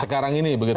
sekarang ini begitu ya